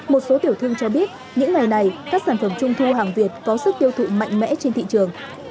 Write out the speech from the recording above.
một số tiểu thương cho biết những ngày này các sản phẩm trung thu hàng việt có sức tiêu thụ mạnh mẽ trên thị trường